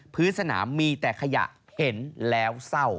พื้นสนามมีแต่ขยะเห็นแล้วเศร้า